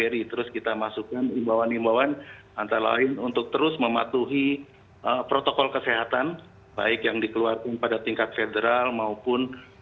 jadi terus kita masukkan imbauan imbauan antara lain untuk terus mematuhi protokol kesehatan baik yang dikeluarkan pada tingkat federal maupun